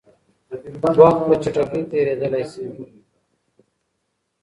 وخت په چټکۍ تېرېدلی شي.